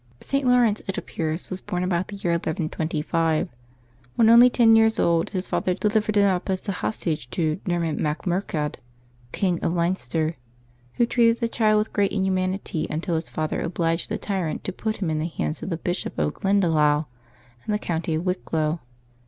[t. Laurence, it appears, was bom about the year 1125. When only ten years old, his father delivered him up as a hostage to Dermod Mac Murchad, King of Lein ster, who treated the child with great inhumanity, until his father obliged the tyrant to put him in the hands of the Bishop of Glendalough, in the county of Wicklow.